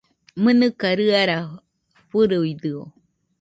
¿Mɨnɨka riara fɨruidɨo?